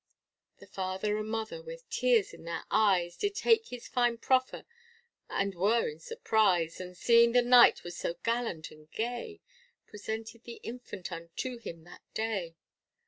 The father and mother with tears in their eyes, Did hear this fine proffer, and were in surprise, And seeing the Knight was so gallant and gay, Presented the infant unto him that day.